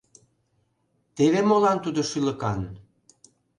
Теве молан тудо шӱлыкан.